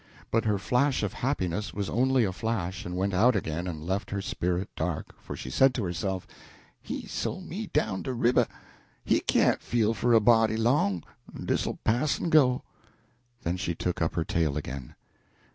But her flash of happiness was only a flash, and went out again and left her spirit dark; for she said to herself, "He sole me down de river he can't feel for a body long: dis'll pass en go." Then she took up her tale again.